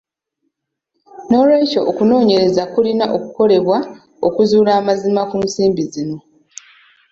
Noolwekyo okunoonyereza kulina okukolebwa okuzuula amazima ku nsimbi zino.